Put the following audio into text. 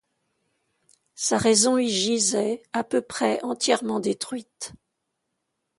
Sa raison y gisait, à peu près entièrement détruite.